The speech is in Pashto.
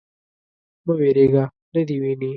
_مه وېرېږه. نه دې ويني.